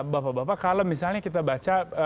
bapak bapak kalau misalnya kita baca